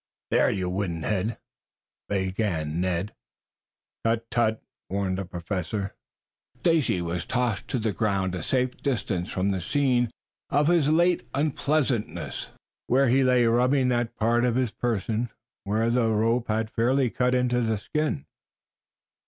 "There, you wooden headed " began Ned. "Tut, tut!" warned Professor Zepplin. Stacy was tossed to the ground a safe distance from the scene of his late unpleasantness, where he lay rubbing that part of his person where the rope had fairly cut into the skin.